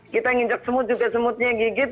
kita nginjak semut juga semutnya gigit